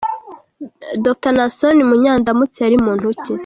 Dr Naasson Munyandamutsa yari muntu ki?